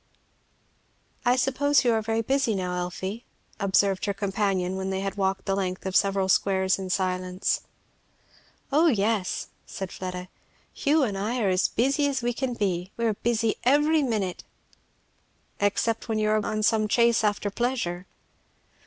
"I suppose you are very busy now, Elfie," observed her companion, when they had walked the length of several squares in silence. "O yes!" said Fleda. "Hugh and I are as busy as we can be. We are busy every minute." "Except when you are on some chase after pleasure?"